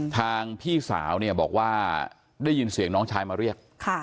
ทางพี่สาวโดยยินเสียงน้องชายมาเรียก